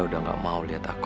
udah gak mau lihat aku